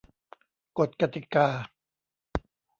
กฎกติกา